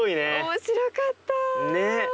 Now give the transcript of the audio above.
面白かった。ね！